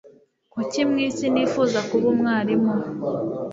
Kuki mwisi nifuza kuba umwarimu?